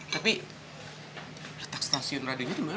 tapi letak stasiun radio itu dimana kak